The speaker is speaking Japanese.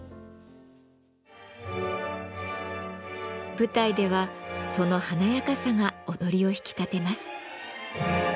舞台ではその華やかさが踊りを引き立てます。